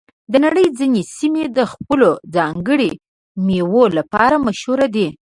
د نړۍ ځینې سیمې د خپلو ځانګړو میوو لپاره مشهور دي.